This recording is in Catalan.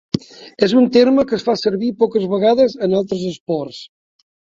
És un terme que es fa servir poques vegades en altres esports.